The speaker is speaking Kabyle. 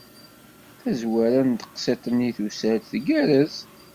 Tazwara n teqsiṭ-nni tusa-d tgerrez.